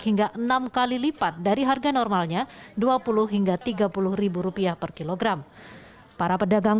hingga enam kali lipat dari harga normalnya dua puluh hingga tiga puluh rupiah per kilogram para pedagang